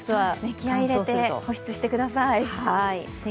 気合いを入れて保湿してください。